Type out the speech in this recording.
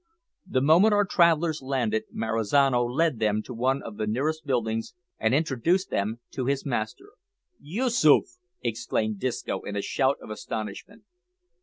The moment our travellers landed Marizano led them to one of the nearest buildings, and introduced them to his master. "Yoosoof!" exclaimed Disco in a shout of astonishment.